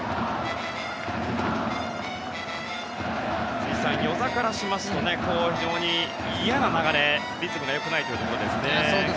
辻さん、與座からしますと非常に嫌な流れリズムがよくないというところですね。